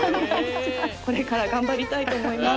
これからがんばりたいとおもいます。